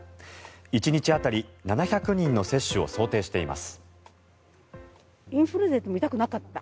１日当たり７００人の接種を想定しています。